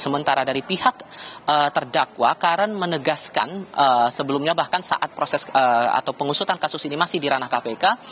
sementara dari pihak terdakwa karen menegaskan sebelumnya bahkan saat proses atau pengusutan kasus ini masih di ranah kpk